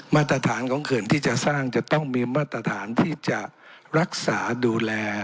มาตรฐานของเขื่อนที่จะสร้างจะต้องมีมาตรฐานที่จะรักษาดูแล